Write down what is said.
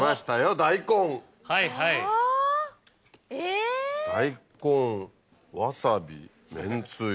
大根わさびめんつゆ。